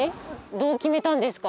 どう決めたんですか？